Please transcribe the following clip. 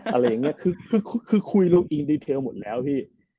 อะไรอย่างนี้คือคือคุยลงอินดีเทลหมดแล้วพี่